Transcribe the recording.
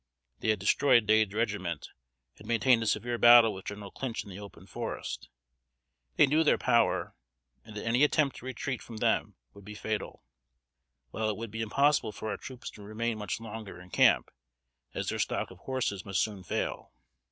They had destroyed Dade's regiment; had maintained a severe battle with General Clinch in the open forest. They knew their power, and that any attempt to retreat from them would be fatal; while it would be impossible for our troops to remain much longer in camp, as their stock of horses must soon fail.